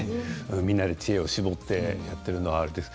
みんなで知恵を絞ってやっているのは。